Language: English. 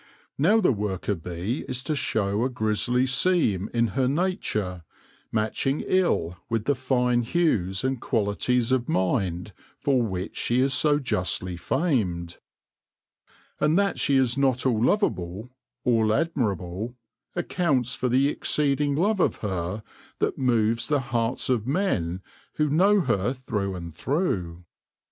Now the worker bee is to show a grizzly seam in her nature, matching ill with the fine hues and quali ties of mind for which she is so justly famed. And that she is not all lovable, all admirable, accounts for the exceeding love of her that moves the hearts of men who know her through and through.